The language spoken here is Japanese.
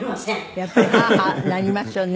やっぱりはあはあなりますよね。